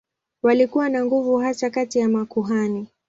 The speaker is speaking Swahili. Walikuwa na nguvu hasa kati ya makuhani.